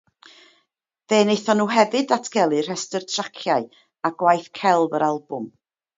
Fe wnaethon nhw hefyd ddatgelu'r rhestr traciau a gwaith celf yr albwm.